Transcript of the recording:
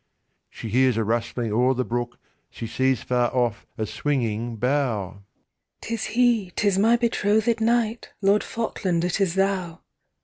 She hears a rustling o'er the brook, She sees far off a swinging bough! 'Tis He! 'Tis my betrothéd Knight! Lord Falkland, it is Thou!'